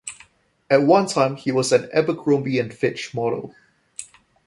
At one time, he was an Abercrombie and Fitch model.